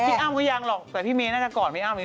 พี่อั้มก็ยังหรอกแต่พี่เมน่าจะกอดพี่อั้มอยู่